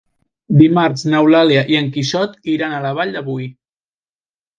Dimarts n'Eulàlia i en Quixot iran a la Vall de Boí.